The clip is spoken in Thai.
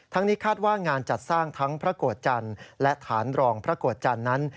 นี้คาดว่างานจัดสร้างทั้งพระโกรธจันทร์และฐานรองพระโกรธจันทร์นั้น